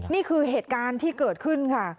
นี่คือเหตุการณ์ที่เกิดขึ้นค่ะ